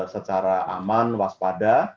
secara aman waspada